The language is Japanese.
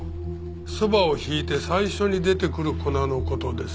そばを挽いて最初に出てくる粉の事です。